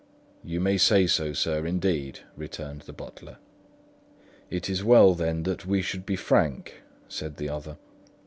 "You may say so, sir, indeed," returned the butler. "It is well, then that we should be frank," said the other.